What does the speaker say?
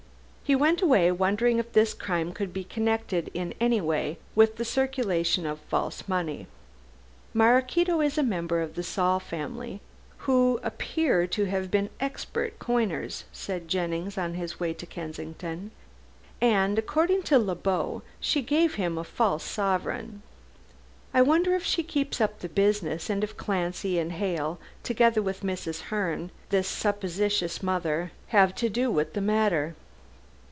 He went away, wondering if this crime could be connected in any way with the circulation of false money. "Maraquito is a member of the Saul family, who appear to have been expert coiners," said Jennings, on his way to Kensington, "and, according to Le Beau, she gave him a false sovereign. I wonder if she keeps up the business, and if Clancy and Hale, together with Mrs. Herne, this supposititious mother, have to do with the matter.